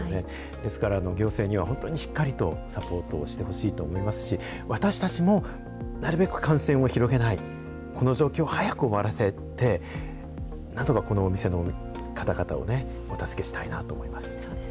ですから、行政には本当にしっかりとサポートをしてほしいと思いますし、私たちもなるべく感染を広げない、この状況を早く終わらせて、なんとかこのお店の方々をね、お助けしたいなと思います。